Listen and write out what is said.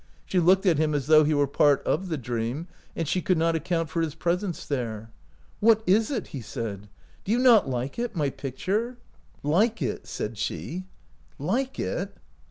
She looked at him as though he were part of the dream and she could not account for his presence there. " What is it ?" he said. " Do you not like it — my picture? " "Like it!" said she, "like it